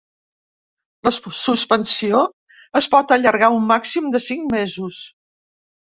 La suspensió es pot allargar un màxim de cinc mesos.